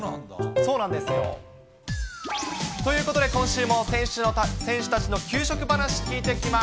そうなんですよ。ということで今週も選手たちの給食話、聞いてきます。